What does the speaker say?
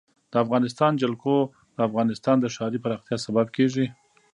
د افغانستان جلکو د افغانستان د ښاري پراختیا سبب کېږي.